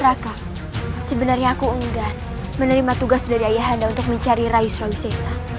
raka sebenarnya aku enggan menerima tugas dari ayahanda untuk mencari rai surawisesa